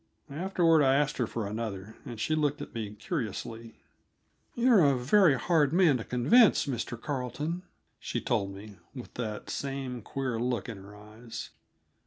Afterward I asked her for another, and she looked at me curiously. "You're a very hard man to convince, Mr. Carleton," she told me, with that same queer look in her eyes.